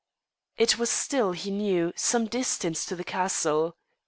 It was still, he knew, some distance to the castle.